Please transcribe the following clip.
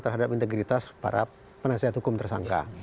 terhadap integritas para penasihat hukum tersangka